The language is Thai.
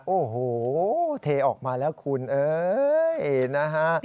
โอ้โหเทออกมาแล้วคุณเอ้ยนะฮะ